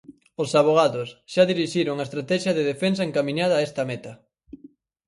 Os avogados xa dirixiron a estratexia de defensa encamiñada a esta meta.